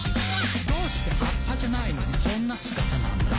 「どうして葉っぱじゃないのにそんな姿なんだ？」